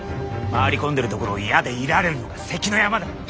回り込んでるところを矢で射られるのが関の山だ。